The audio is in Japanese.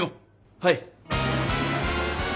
はい。